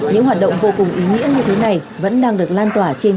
những hoạt động vô cùng ý nghĩa như thế này vẫn đang được lan tỏa